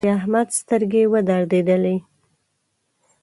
د احمد سترګې ودرېدلې.